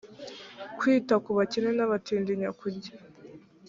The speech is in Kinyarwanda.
kwita ku bakene n abatindi nyakujya